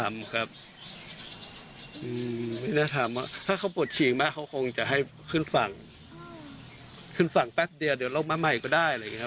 ไม่มีค่ะเราจะเข้าห้องน้ำอย่างเดี่ยวครับ